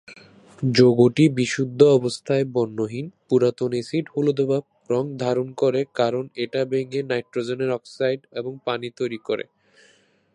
যৌগটি বিশুদ্ধ অবস্থায় বর্ণহীন, পুরাতন এসিড হলুদাভ রঙ ধারণ করে কারণ এটা ভেঙে নাইট্রোজেনের অক্সাইড এবং পানি তৈরি করে।